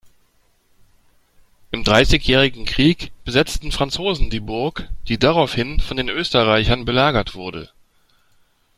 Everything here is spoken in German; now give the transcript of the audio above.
Im Dreißigjährigen Krieg besetzten Franzosen die Burg, die daraufhin von den Österreichern belagert wurde.